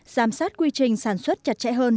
giám sát quy trình sản xuất chặt chẽ hơn